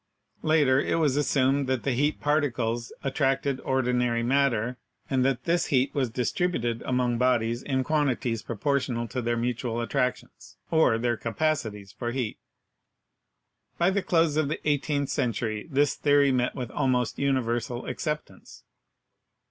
Later it was assumed that the heat particles attracted ordinary matter, and that this heat was distributed among bodies in quantities proportional to their mutual attractions (or their capacities for heat). By the close of the eighteenth century this theory met with almost universal acceptance."